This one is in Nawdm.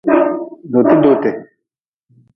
Dotedote.